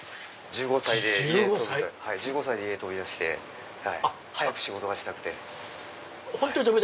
１５歳で家飛び出して早く仕事がしたくて。